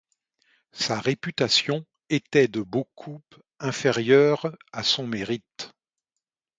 Sa réputation était de beaucoup inférieure à son mérite.